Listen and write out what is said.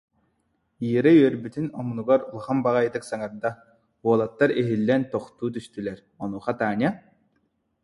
Ира үөрбүтүн омунугар улахан баҕайытык саҥарда, уолаттар иһиллээн тохтуу түстүлэр, онуоха Таня: